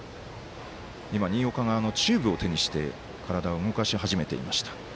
新岡がチューブを手にして体を動かし始めました。